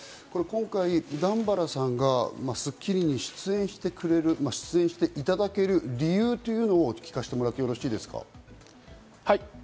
今回、段原さんが『スッキリ』に出演していただける理由というのを聞かせてもらってよろしいですか？